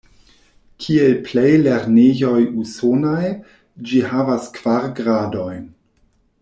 Kiel plej lernejoj Usonaj, ĝi havas kvar gradojn.